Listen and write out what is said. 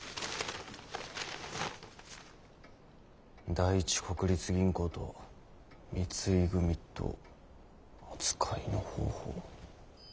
「第一国立銀行と三井組と扱いの方法」？